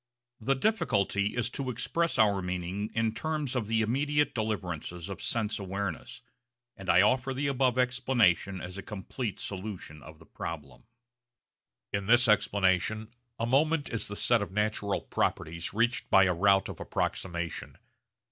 The difficulty is to express our meaning in terms of the immediate deliverances of sense awareness, and I offer the above explanation as a complete solution of the problem. In this explanation a moment is the set of natural properties reached by a route of approximation.